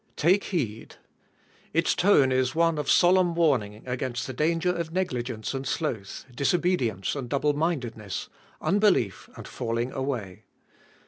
Take heed ! Its tone is one of solemn warning against the danger of negligence and sloth, disobedience and double mindedness, unbelief and falling away.